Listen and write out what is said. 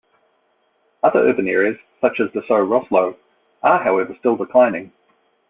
Other urban areas, such as Dessau-Roslau are however still declining.